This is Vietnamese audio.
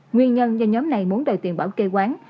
nguyên nhân do nhóm này muốn đòi tiền bảo kê quán